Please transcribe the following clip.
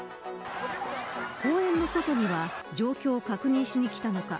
公園の外には状況を確認しにきたのか。